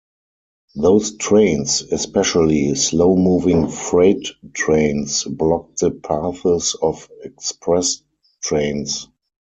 Those trains, especially slow-moving freight trains, blocked the paths of express trains.